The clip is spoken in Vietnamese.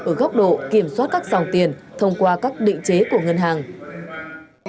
ở góc độ kiểm soát các dòng tiền thông qua các định chế của ngân hàng